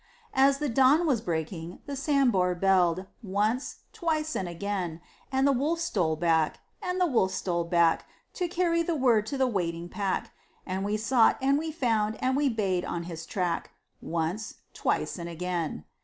As the dawn was breaking the Sambhur belled Once, twice and again! And a wolf stole back, and a wolf stole back To carry the word to the waiting pack, And we sought and we found and we bayed on his track Once, twice and again!